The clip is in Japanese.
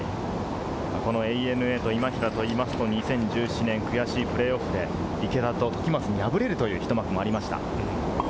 このＡＮＡと今平といいますと、２０１７年、悔しいプレーオフで池田と時松に敗れるという、ひと幕もありました。